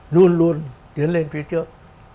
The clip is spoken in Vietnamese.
luôn luôn tiến lên phía trước